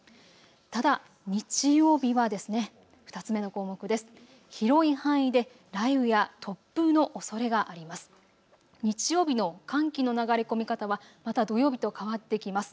ただ日曜日は、２つ目の項目です。